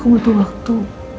aku butuh waktu